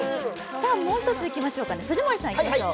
もう一ついきましょう、藤森さん、いきましょう。